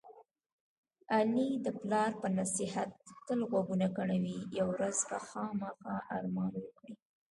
علي د پلار په نصیحت تل غوږونه کڼوي. یوه ورځ به خوامخا ارمان وکړي.